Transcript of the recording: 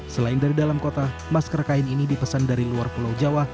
selain dari dalam kota masker kain ini dipesan dari luar pulau jawa